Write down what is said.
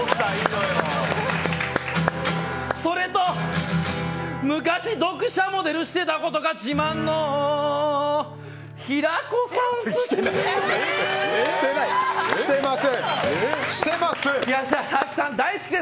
それと、昔読者モデルしてたことが自慢の平子さん、好き。